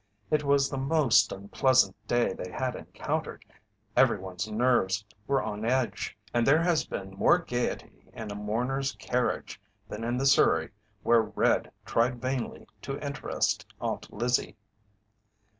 It was the most unpleasant day they had encountered, everyone's nerves were on edge, and there has been more gaiety in a mourner's carriage than in the surrey where "Red" tried vainly to interest Aunt Lizzie.